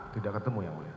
tidak ketemu ya wulian